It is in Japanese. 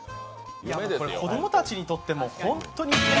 子供たちにとっても本当に